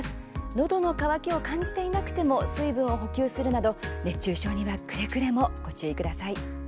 のどの渇きを感じていなくても水分を補給するなど、熱中症にはくれぐれもご注意ください。